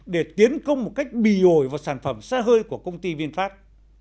để tiến công một cách bì ồi vào sản phẩm xa hơi của công ty vinfast